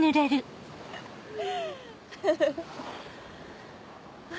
フフフ。